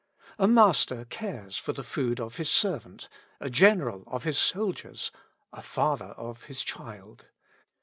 A master cares for the food of his servant, a general of his soldiers, a father of his child.